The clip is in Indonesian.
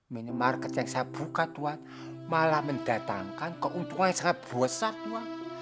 minimarket yang saya buka tuan malah mendatangkan keuntungan yang sangat besar tuan